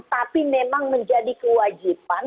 tapi memang menjadi kewajiban